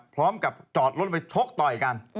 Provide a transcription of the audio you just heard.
พร้อมกับจอดรถไปชกต่อยกัน